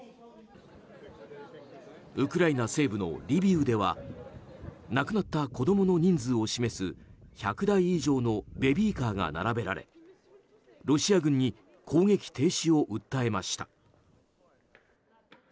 ウクライナ西部のリビウでは亡くなった子供の人数を示す１００台以上のベビーカーが並べられロシア軍に攻撃停止を訴えました。